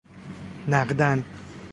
نقدا ً